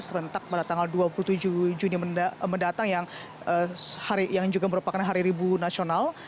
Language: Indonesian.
serentak pada tanggal dua puluh tujuh juni mendatang yang juga merupakan hari ribu nasional